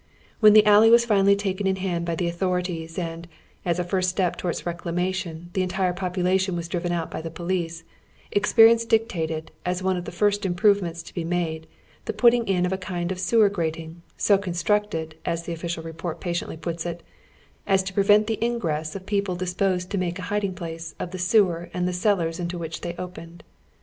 "When the alley was finallj taken in hand by the authori ties, and, as a first step toward its reclamation, the entire population was driven out by the police, experience dic tated, as one of the first improvements to be made, the put ting in of a kind of sewer grating, so constructed, as the official report patiently puts it, " as to prevent the ingress of pereons disposed to make a hiding place " of the sewer and the cellars into which they opened.